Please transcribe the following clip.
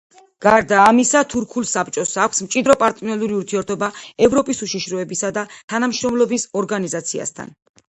გარდა ამისა, თურქული საბჭოს აქვს მჭიდრო პარტნიორული ურთიერთობა ევროპის უშიშროებისა და თანამშრომლობის ორგანიზაციასთან.